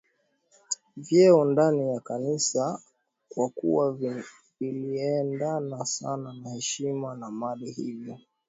vyeo ndani ya Kanisa kwa kuwa viliendana sasa na heshima na mali hivyo